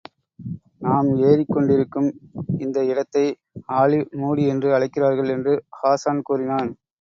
நாம் எறிக் கொண்டிருக்கும் இந்த இடத்தை ஆலிவ் மூடி... என்று அழைக்கிறார்கள் என்று ஹாஸான் கூறினான்.